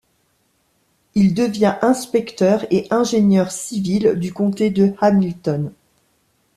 Il devient inspecteur et ingénieur civil du comté de Hamilton.